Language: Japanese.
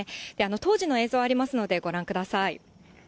当時の映像ありますので、ご覧ください。